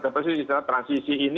tapi persis istilah transisi ini